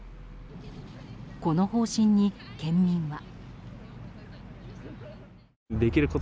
この方針に県民は。